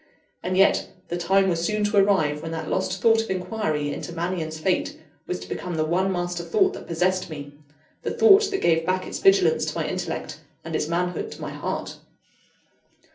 And yet, the time was soon to arrive when that lost thought of inquiry into Mannion's fate, was to become the one master thought that possessed me the thought that gave back its vigilance to my intellect, and its manhood to my heart.